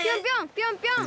ぴょんぴょん！